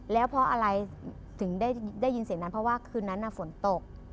แล้วเพราะอะไรถึงได้ยินเสียงนั้นเพราะว่าคืนนั้นฝนตก